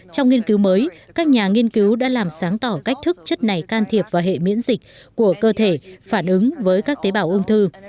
trong nghiên cứu mới các nhà nghiên cứu đã làm sáng tỏ cách thức chất này can thiệp vào hệ miễn dịch của cơ thể phản ứng với các tế bào ung thư